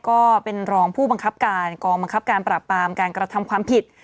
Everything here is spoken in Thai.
ก็เป็นรองผู้บังคับการกองบังคับการปราบปรามการกระทำความผิด